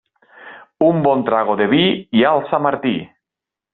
Un bon trago de vi i alça Martí.